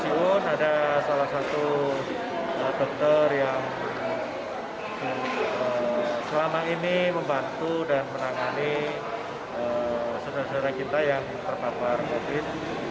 selama ini membantu dan menangani saudara saudara kita yang terpapar covid sembilan belas